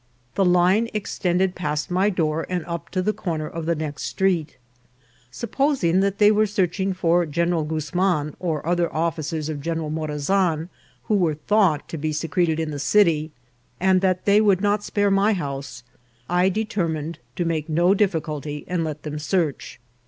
The line extended past my door and up to the corner of the next street. Supposing that they were searching for General Guz man or other officers of General Morazan who were thought to be secreted in the city, and that they would not spare my house, I determined to make no difficulty, and let them search.